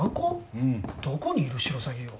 うんどこにいるシロサギよ？